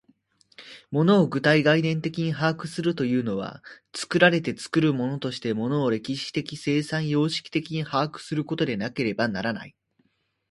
物を具体概念的に把握するというのは、作られて作るものとして物を歴史的生産様式的に把握することでなければならない。